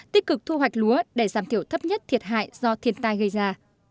tích cực thu hoạch lúa để giảm thiểu thấp nhất thiệt hại do thiên tai gây ra